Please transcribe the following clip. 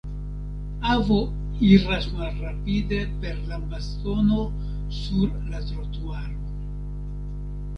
Avo iras malrapide per lambastono sur la trotuaro.